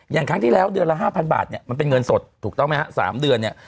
ครั้งที่แล้วเดือนละ๕๐๐บาทเนี่ยมันเป็นเงินสดถูกต้องไหมฮะ๓เดือนเนี่ย